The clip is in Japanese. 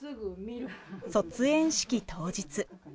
卒園式当日。